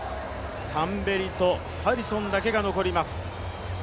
タンベリとハリソンだけが残ります。